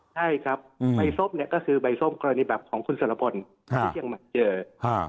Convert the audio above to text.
ใช่ครับใบส้มเนี่ยก็คือใบส้มกรณีแบบของคุณสรพลที่เชียงใหม่เจออ่า